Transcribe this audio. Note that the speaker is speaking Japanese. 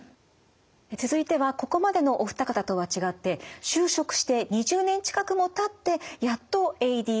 続いてはここまでのお二方とは違って就職して２０年近くもたってやっとＡＤＨＤだと気付いた方もいます。